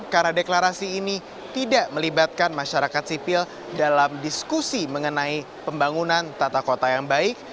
karena deklarasi ini tidak melibatkan masyarakat sipil dalam diskusi mengenai pembangunan tata kota yang baik